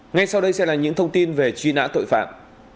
ngay sau đây sẽ là những thông tin về truy nã tội phạm